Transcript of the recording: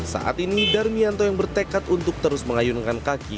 saat ini darmianto yang bertekad untuk terus mengayunkan kaki